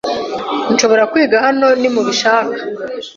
Nshobora kwiga hano nimubishaka